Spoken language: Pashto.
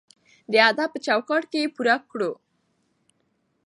د ادب په چوکاټ کې یې پوره کړو.